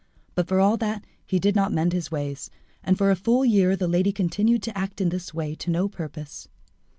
But for all that he did not mend his ways, and for a full year the lady continued to act in this way to no purpose.